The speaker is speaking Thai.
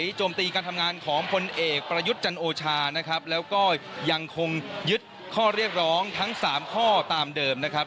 โจมตีการทำงานของพลเอกประยุทธ์จันโอชานะครับแล้วก็ยังคงยึดข้อเรียกร้องทั้งสามข้อตามเดิมนะครับ